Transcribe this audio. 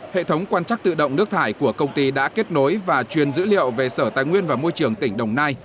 hệ thống quan chắc tự động nước thải của công ty đã kết nối và truyền dữ liệu về sở tài nguyên và môi trường tỉnh đồng nai